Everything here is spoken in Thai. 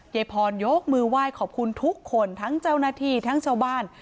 ยายพรยกมือไหว้ขอบคุณทุกคนทั้งเจ้าหน้าที่ทั้งชาวบ้าน